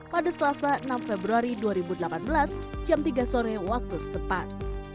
pada selasa enam februari dua ribu delapan belas jam tiga sore waktu setempat